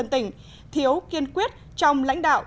thiếu kiên quyết trong lãnh đạo